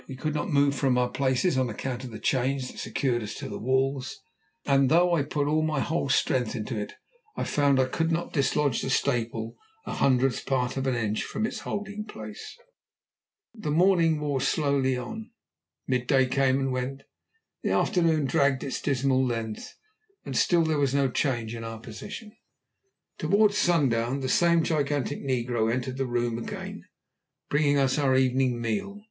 We could not move from our places on account of the chains that secured us to the walls, and, though I put all my whole strength into it, I found I could not dislodge the staple a hundredth part of an inch from its holding place. The morning wore slowly on, mid day came and went, the afternoon dragged its dismal length, and still there was no change in our position. Towards sundown the same gigantic negro entered the room again, bringing us our evening meal.